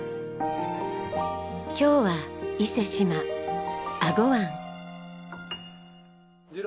今日は伊勢志摩英虞湾。